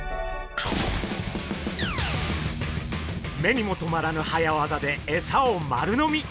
目にもとまらぬ早業でエサを丸飲み！